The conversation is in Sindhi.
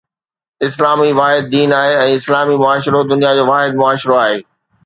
اسلام ئي واحد دين آهي ۽ اسلامي معاشرو دنيا جو واحد معاشرو آهي